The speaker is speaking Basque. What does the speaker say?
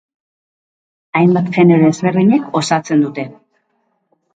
Hainbat genero ezberdinek osatzen dute.